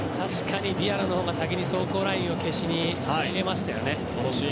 確かにディアのほうが先に走行ラインを消しに上げましたよね。